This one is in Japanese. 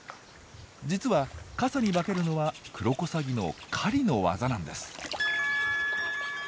実は傘に化けるのはクロコサギの狩りの技なんです。